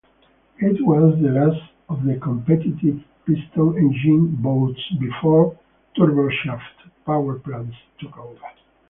It was the last of the competitive piston-engined boats, before turboshaft powerplants took over.